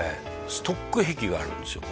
ストック癖があるんですよ